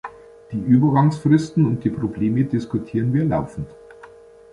Die Übergangsfristen und die Probleme diskutieren wir laufend.